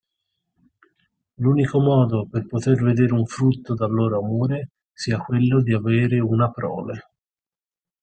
L'unico modo per poter vedere un frutto dal loro amore sia quello di avere una prole.